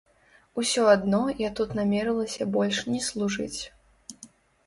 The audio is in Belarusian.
Усё адно я тут намерылася больш не служыць.